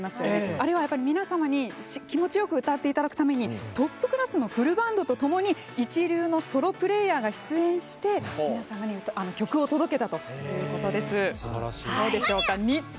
あれは、みなさまに気持ちよく歌っていただくためにトップクラスのフルバンドとともに一流のソロプレーヤーが出演して、みなさまに曲を届けたということです。